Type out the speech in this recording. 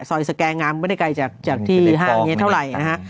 ซอยสแกงงามไม่ได้ไกลจากที่ห้างเงียดเท่าไหร่นะฮะ